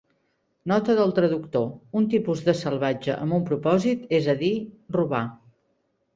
Nota del traductor: un tipus de "salvatge" amb un propòsit, és a dir, robar.